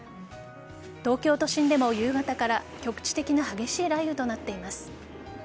東京都心でも夕方から局地的な激しい雷雨となっています。